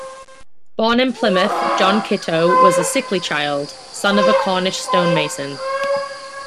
Born in Plymouth, John Kitto was a sickly child, son of a Cornish stonemason.